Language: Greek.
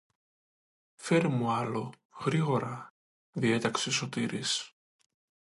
Φέρε μου άλλο, γρήγορα, διέταξε ο Σωτήρης.